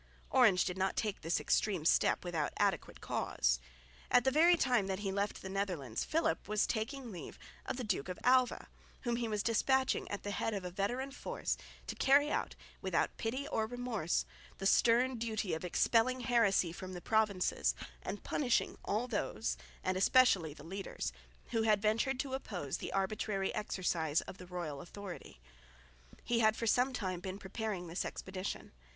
Orange did not take this extreme step without adequate cause. At the very time that he left the Netherlands Philip was taking leave of the Duke of Alva, whom he was despatching at the head of a veteran force to carry out without pity or remorse the stern duty of expelling heresy from the provinces and punishing all those, and especially the leaders, who had ventured to oppose the arbitrary exercise of the royal authority. He had for some time been preparing this expedition.